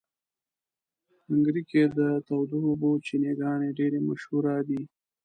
هنګري کې د تودو اوبو چینهګانې ډېرې مشهوره دي.